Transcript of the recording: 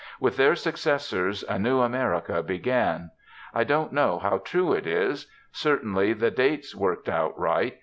With their successors a new America began. I don't know how true it is. Certainly, the dates worked out right.